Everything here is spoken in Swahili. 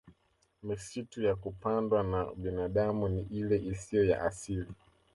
Misitu ya kupandwa na binadami ni ile isiyo ya asili